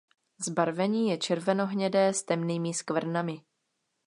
Zbarvení je červenohnědé s temnými skvrnami.